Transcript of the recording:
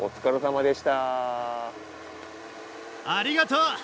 ありがとう！